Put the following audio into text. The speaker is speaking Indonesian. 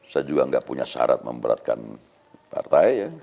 saya juga nggak punya syarat memberatkan partai ya